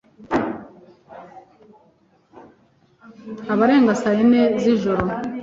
abarenga saa yine z’joro